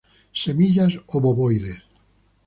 Semillas obovoides.